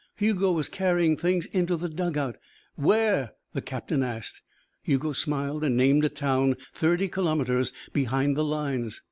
Hugo was carrying things into the dug out. "Where?" the captain asked. Hugo smiled and named a town thirty kilometres behind the lines.